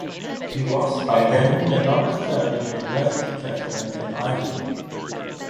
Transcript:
He was, by then, the longest-serving university president in Ireland.